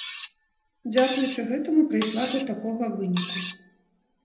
Дзякуючы гэтаму прыйшла да такога выніку.